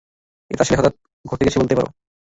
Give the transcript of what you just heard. এটা আসলে হঠাত ঘটে গেছে বলতে পারো!